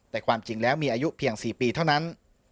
แต่ความจริงแล้วมีอายุเพียง๔ปีเท่านั้น